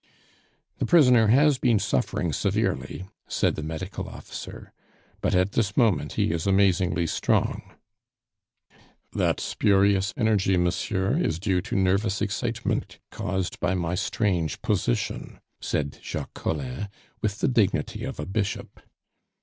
"The prisoner has been suffering severely," said the medical officer, "but at this moment he is amazingly strong " "That spurious energy, monsieur, is due to nervous excitement caused by my strange position," said Jacques Collin, with the dignity of a bishop.